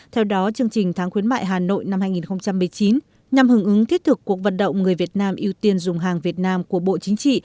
theo đó chương trình tháng khuyến mại hà nội năm hai nghìn một mươi chín nhằm hứng ứng thiết thực cuộc vận động người việt nam ưu tiên dùng hàng việt nam của bộ chính trị